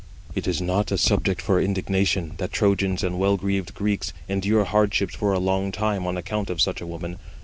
"It is not a subject for indignation, that Trojans and well greaved Greeks endure hardships for a long time on account of such a woman.